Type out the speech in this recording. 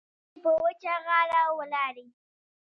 اوبه مې په وچه غاړه ولاړې.